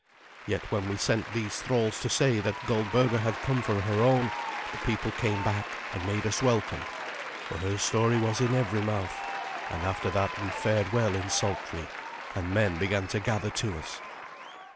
Yet when we sent these thralls to say that Goldberga had come for her own, the people came back and made us welcome, for her story was in every mouth; and after that we fared well in Saltfleet, and men began to gather to us.